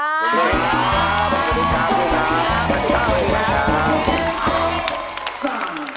สวัสดีครับ